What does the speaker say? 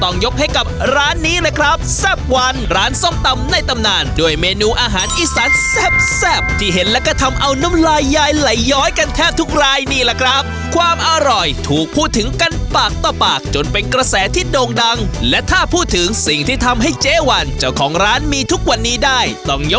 ยกให้กับร้านนี้เลยครับแซ่บวันร้านส้มตำในตำนานด้วยเมนูอาหารอีสานแซ่บที่เห็นแล้วก็ทำเอาน้ำลายยายไหลย้อยกันแทบทุกรายนี่แหละครับความอร่อยถูกพูดถึงกันปากต่อปากจนเป็นกระแสที่โด่งดังและถ้าพูดถึงสิ่งที่ทำให้เจ๊วันเจ้าของร้านมีทุกวันนี้ได้ต้องยก